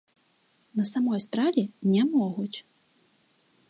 На самой справе, не могуць.